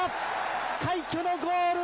快挙のゴール。